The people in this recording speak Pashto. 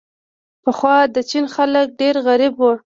پخوا د چین خلک ډېر غریب وو.